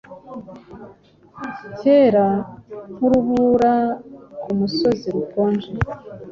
Cyera nkurubura kumusozi rukonje.